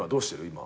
今。